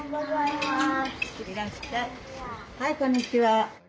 はいこんにちは。